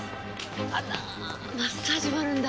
あらマッサージもあるんだ！